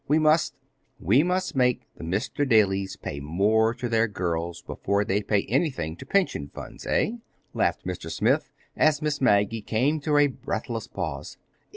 We must—" "We must make the Mr. Dalys pay more to their girls before they pay anything to pension funds, eh?" laughed Mr. Smith, as Miss Maggie came to a breathless pause.